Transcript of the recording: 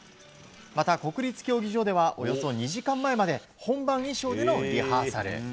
また国立競技場ではおよそ２時間前まで本番衣装でのリハーサル。